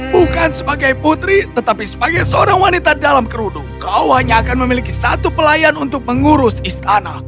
bukan sebagai putri tetapi sebagai seorang wanita dalam kerudung kau hanya akan memiliki satu pelayan untuk mengurus istana